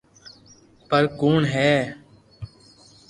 پر ڪوڻ ھي